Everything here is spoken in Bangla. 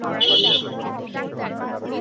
এটা কি পাগলামি নয়?